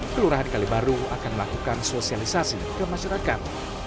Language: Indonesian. kelurahan kali baru akan melakukan sosialisasi ke masyarakat